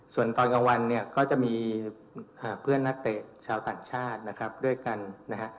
ส่วนตอนกลางวันเนี่ยก็จะมีเพื่อนนักเตะชาวต่างชาตินะครับด้วยกันนะฮะ